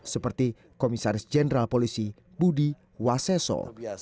seperti komisaris jenderal polisi budi waseso